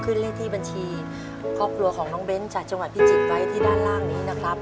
เลขที่บัญชีครอบครัวของน้องเบ้นจากจังหวัดพิจิตรไว้ที่ด้านล่างนี้นะครับ